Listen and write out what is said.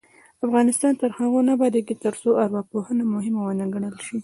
افغانستان تر هغو نه ابادیږي، ترڅو ارواپوهنه مهمه ونه ګڼل شي.